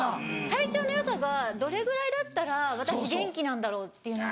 体調の良さがどれぐらいだったら私元気なんだろうっていうのが。